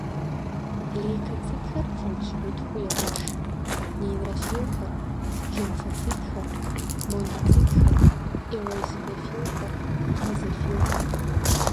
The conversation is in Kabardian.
Лейкоцитхэр лӏэужьыгъуитхуу егуэш: нейтрофилхэр, лимфоцитхэр, моноцитхэр, эозинофилхэр, базофилхэр.